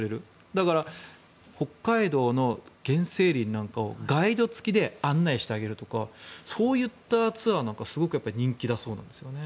だから、北海道の原生林なんかをガイド付きで案内してあげるとかそういったツアーなんかすごく人気だそうなんですよね。